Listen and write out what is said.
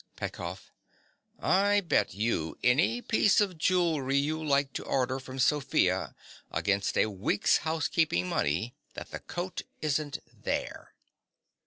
PETKOFF. I bet you any piece of jewellery you like to order from Sofia against a week's housekeeping money, that the coat isn't there.